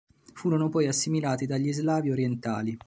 Furono poi assimilati dagli Slavi orientali.